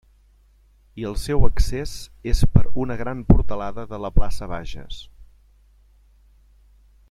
I el seu accés és per una gran portalada de la Plaça Bages.